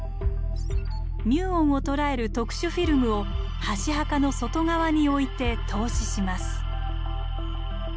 ミューオンを捉える特殊フィルムを箸墓の外側に置いて透視します。